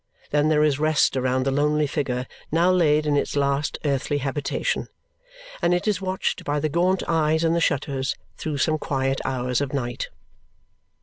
Then there is rest around the lonely figure, now laid in its last earthly habitation; and it is watched by the gaunt eyes in the shutters through some quiet hours of night.